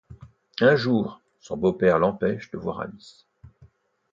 Un jour, son beau-père l'empêche de voir Alice.